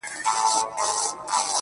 هغې دروغجنې چي په مټ کي دی ساتلی زړه,